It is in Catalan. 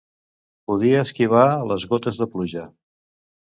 Podia esquivar les gotes de pluja.